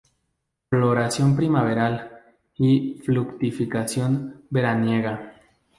Floración primaveral y fructificación veraniega.